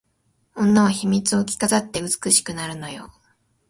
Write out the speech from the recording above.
女は秘密を着飾って美しくなるのよ